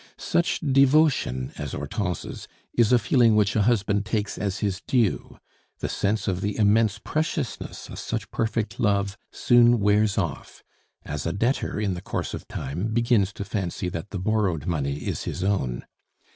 Such devotion as Hortense's is a feeling which a husband takes as his due; the sense of the immense preciousness of such perfect love soon wears off, as a debtor, in the course of time, begins to fancy that the borrowed money is his own.